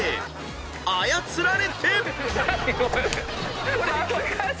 ［操られて］